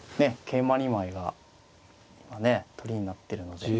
桂馬２枚が取りになってるので。